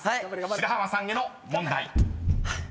白濱さんへの問題］